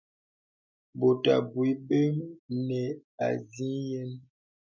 Bòt bùyaŋ bənə así yìnə.